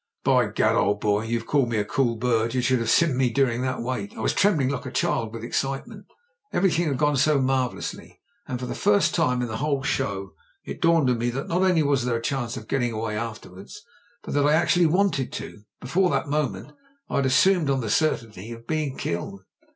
"By gad, old boy, you've called me a cool bird ; you should have seen me during that wait. I was trem bling like a child with excitement : everything had gone so marvellously. And for the first time in the whole show it dawned on me that not only was there a chance of getting away afterwards, but that I actually wanted to. Before that moment I'd assumed on the certainty of being killed."